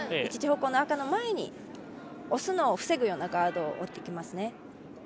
１時方向の赤の前に押すのを防ぐようなガードを持ってきますね。